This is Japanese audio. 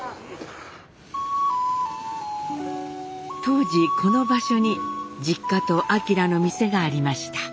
当時この場所に実家と晃の店がありました。